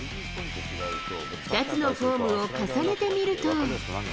２つのフォームを重ねてみると。